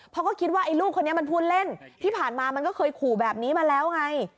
เพราะก็คิดว่าไอ้ลูกคนนี้มันพูดเล่นที่ผ่านมามันก็เคยขู่แบบนี้มาแล้วไง